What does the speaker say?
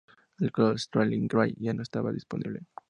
El color Sterling Gray ya no estaba disponible.